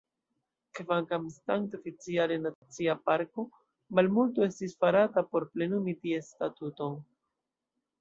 Kvankam estante oficiale nacia parko, malmulto estis farata por plenumi ties statuton.